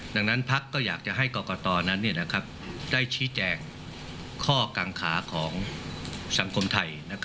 ดังนั้นพักก็อยากจะให้กรกตนั้นได้ชี้แจงข้อกังขาของสังคมไทย